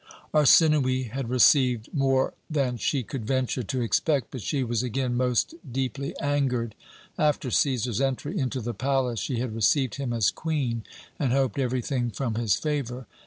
"Arsinoë had received more than she could venture to expect; but she was again most deeply angered. After Cæsar's entry into the palace, she had received him as Queen, and hoped everything from his favour.